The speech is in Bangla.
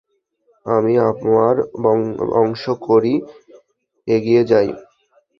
আমি আমার অংশ করি, এগিয়ে যাই।